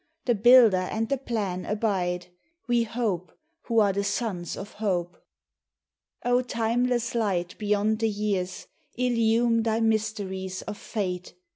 The Builder and the Plan abide. We hope, who are the sons of Hope. O timeless Light beyond the years, Illume Thy mysteries of fate!